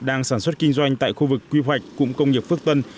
đang sản xuất kinh doanh tại khu vực quy hoạch cụm công nghiệp phước tân